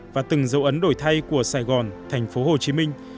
và từng dấu ấn đổi thay của sài gòn thành phố hồ chí minh